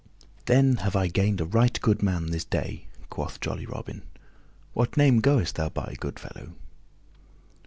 "Then have I gained a right good man this day," quoth jolly Robin. "What name goest thou by, good fellow?"